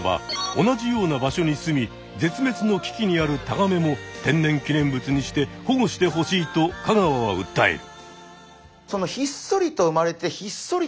同じような場所にすみ絶めつの危機にあるタガメも天然記念物にして保護してほしいと香川はうったえる。